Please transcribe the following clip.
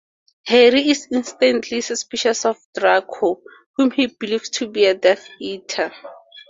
Harry is instantly suspicious of Draco, whom he believes to be a Death Eater.